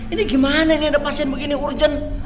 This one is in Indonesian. ini gimana ini ada pasien begini urgent